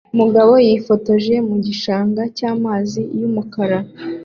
Umugabo yifotoje mu gishanga cyamazi yumukara